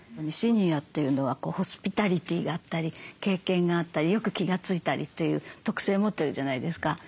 シニアっていうのはホスピタリティーがあったり経験があったりよく気が付いたりという特性持ってるじゃないですか。